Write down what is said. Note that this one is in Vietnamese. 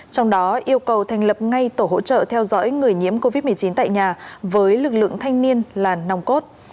trong đó yêu cầu thành lập ngay tổ hỗ trợ theo dõi người nhiễm covid một mươi chín tại nhà với lực lượng thanh niên là nòng cốt